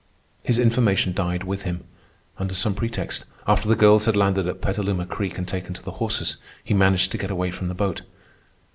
His information died with him. Under some pretext, after the girls had landed at Petaluma Creek and taken to the horses, he managed to get away from the boat.